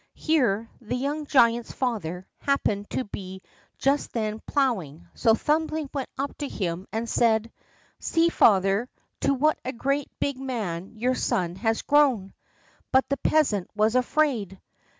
Here the young giant's father happened to be just then plowing; so Thumbling went up to him and said: "See, father, to what a great big man your son has grown!" But the peasant was afraid.